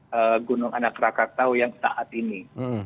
yang diberikan oleh gunung anak krakatau yang saat ini